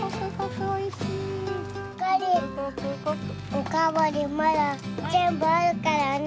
おかわりまだぜんぶあるからね。